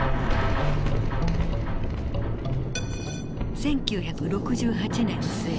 １９６８年末。